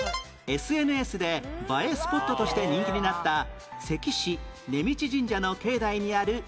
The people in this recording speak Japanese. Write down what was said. ＳＮＳ で映えスポットとして人気になった関市根道神社の境内にある池